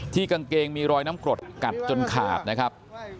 กางเกงมีรอยน้ำกรดกัดจนขาดนะครับ